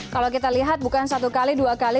kalau kita lihat bukan satu kali dua kali